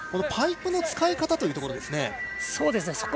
パイプの使い方というところですね。